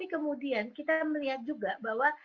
kemudian kita melihat juga bahwa